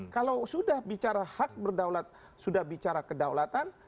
kalau sudah bicara hak berdaulat sudah bicara kedaulatan